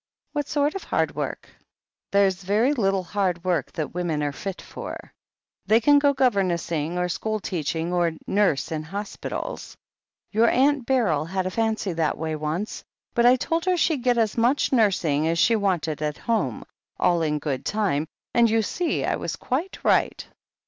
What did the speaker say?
"What sort of hard work?" "There's very little hard work that women are fit for. They can go govemessing, or school teaching, or nurse in hospitals. Your Aunt Beryl had a fancy that way once, but I told her she'd get as much nursing as she wanted at home, all in good time, and you see I was quite right."